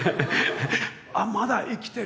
あっまだ生きてる！